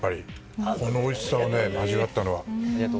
このおいしさを味わったのは。